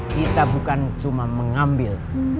kita bukan cuma mengambil